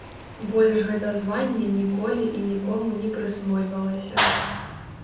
Больш гэта званне ніколі і нікому не прысвойвалася.